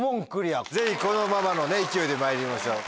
ぜひこのままの勢いでまいりましょう。